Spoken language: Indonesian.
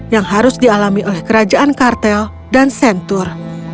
yang harus dialami oleh kerajaan kartel dan sentur